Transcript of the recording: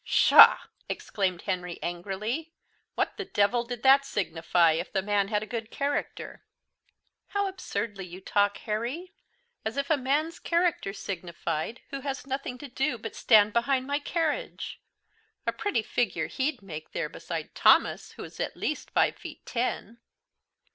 "Pshaw!" exclaimed Henry angrily. "What the devil did that signify if the man had a good character?" "How absurdly you talk, Harry, as if a man's character signified who has nothing to do but to stand behind my carriage! A pretty figure he'd made there beside Thomas, who is at least five feet ten!"